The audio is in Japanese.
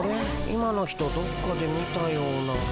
今の人どっかで見たような。